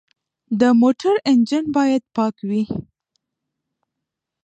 د موټر انجن باید پاک وي.